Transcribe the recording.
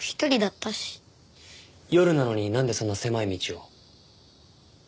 夜なのになんでそんな狭い道を？